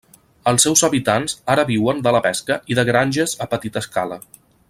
Els seus habitants ara viuen de la pesca i de granges a petita escala.